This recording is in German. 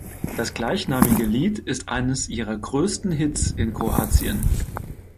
Das gleichnamige Lied ist eines ihrer größten Hits in Kroatien.